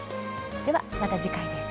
では、また次回です。